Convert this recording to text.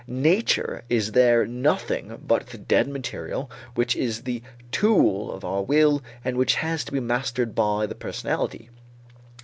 Nature is there nothing but the dead material which is the tool of our will and which has to be mastered by the personality.